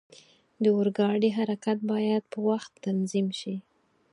د اورګاډي حرکت باید په وخت تنظیم شي.